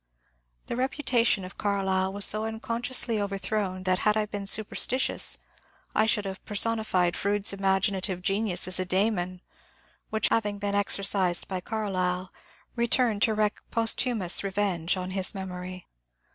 The reputation of Carlyle was so unconsciously overthrown that, had I been superstitious, I should have personified Fronde's imaginative genius as a dcemon which, having been exorcised by Carlyle, returned to wreak posthumous revenge on his memory.